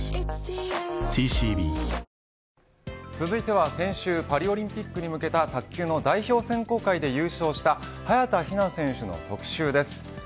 続いては先週パリオリンピックに向けた卓球の代表選考会で優勝した早田ひな選手の特集です。